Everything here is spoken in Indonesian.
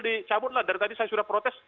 dicabutlah dari tadi saya sudah protes